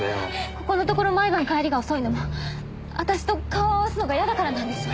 ここのところ毎晩帰りが遅いのも私と顔を合わすのが嫌だからなんでしょう？